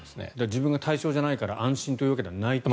自分が対象じゃないから安心というわけではないと。